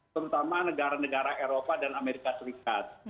terutama negara negara eropa dan amerika serikat